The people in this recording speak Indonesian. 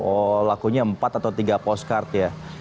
oh lakunya empat atau tiga postcard ya